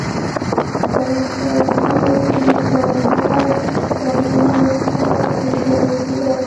په سطلونو کې به خټه بامونو ته خېژول کېده.